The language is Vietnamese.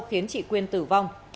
khiến chị quyên tử vong